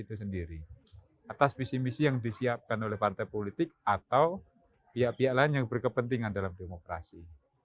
itu sendiri atas visi misi yang disiapkan oleh partai politik atau pihak pihak lain yang berkepentingan dalam demokrasi